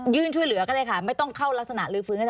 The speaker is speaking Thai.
ช่วยเหลือก็ได้ค่ะไม่ต้องเข้ารักษณลื้อฟื้นก็ได้